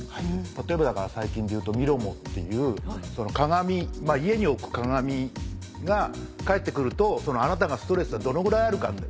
例えばだから最近でいうと「ミロモ」っていう鏡家に置く鏡が帰って来るとあなたがストレスはどのぐらいあるかって。